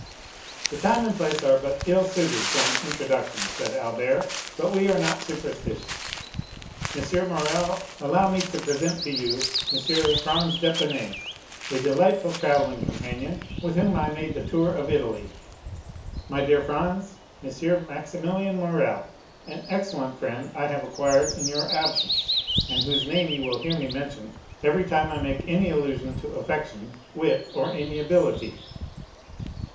"The time and place are but ill suited for an introduction." said Albert; "but we are not superstitious. M. Morrel, allow me to present to you M. Franz d'Épinay, a delightful travelling companion, with whom I made the tour of Italy. My dear Franz, M. Maximilian Morrel, an excellent friend I have acquired in your absence, and whose name you will hear me mention every time I make any allusion to affection, wit, or amiability."